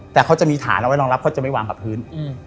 แต่เขาจะมีฐานเอาไว้รองรับเขาจะไม่วางกับพื้น